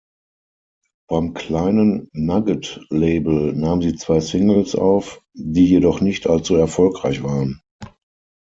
Beim kleinen Nugget-Label nahm sie zwei Singles auf, die jedoch nicht allzu erfolgreich waren.